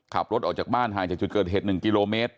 ขับรถออกจากบ้านห่างจากจุดเกิดเหตุ๑กิโลเมตร